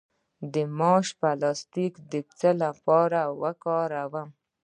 د ماش پوستکی د څه لپاره وکاروم؟